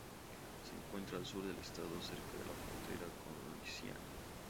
Se encuentra al sur del estado, cerca de la frontera con Luisiana.